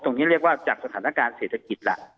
ตรงนี้เรียกว่าจากสถานการณ์เศรษฐกิจ